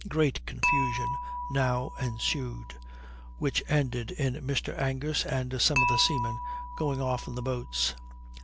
Great confusion now ensued, which ended in Mr. Angus and some of the seamen going off in the boats.